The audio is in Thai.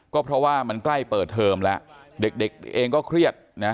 ก็เพราะว่ามันใกล้เปิดเทอมแล้วเด็กเองก็เครียดนะ